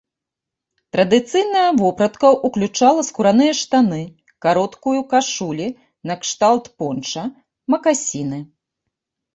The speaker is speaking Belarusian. Традыцыйная вопратка ўключала скураныя штаны, кароткую кашулі накшталт понча, макасіны.